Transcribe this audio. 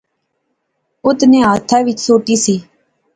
اۃناں نے ہتھا اچ سوٹی اسی